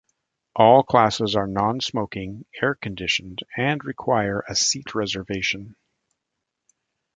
All classes are non-smoking, air conditioned, and require a seat reservation.